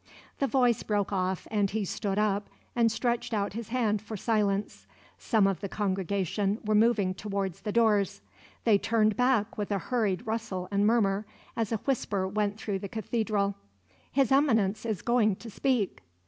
The voice broke off, and he stood up and stretched out his hand for silence. Some of the congregation were moving towards the doors; and they turned back with a hurried rustle and murmur, as a whisper went through the Cathedral: "His Eminence is going to speak."